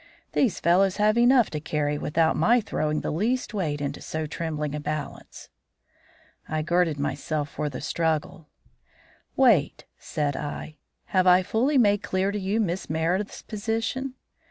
These fellows have enough to carry without my throwing the least weight into so trembling a balance." I girded myself for the struggle. "Wait," said I; "have I fully made clear to you Miss Meredith's position?"